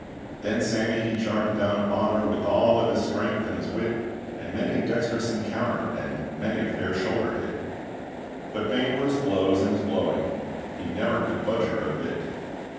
Then Sammy he charged down upon her With all of his strength and his wit, And many a dextrous encounter, And many a fair shoulder hit; But vain were his blows and his blowing: he never could budge her a bit.